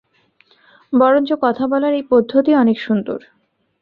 বরঞ্চ কথা বলার এই পদ্ধতি অনেক সুন্দর।